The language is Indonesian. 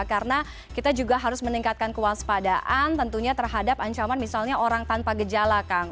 karena kita juga harus meningkatkan kewaspadaan tentunya terhadap ancaman misalnya orang tanpa gejala kang